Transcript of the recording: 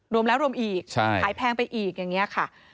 รวมแล้วรวมอีกขายแพงไปอีกอย่างนี้ค่ะ